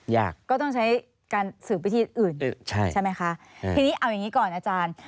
อย่างนี้เอาอย่างนี้ก่อนอาจารย์